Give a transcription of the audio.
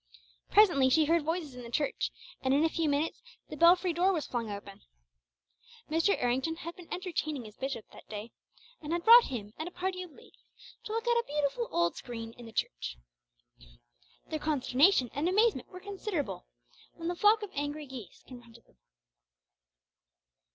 Presently she heard voices in the church, and in a few minutes the belfry door was flung open. Mr. Errington had been entertaining his bishop that day, and had brought him and a party of ladies to look at a beautiful old screen in the church. Their consternation and amazement was considerable when the flock of angry geese confronted them.